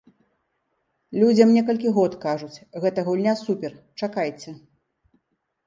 Людзям некалькі год кажуць, гэта гульня супер, чакайце.